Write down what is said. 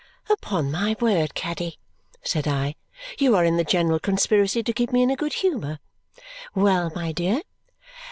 "Upon my word, Caddy," said I, "you are in the general conspiracy to keep me in a good humour. Well, my dear?"